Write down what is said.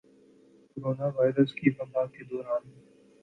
corona virus کی وبا کے دوران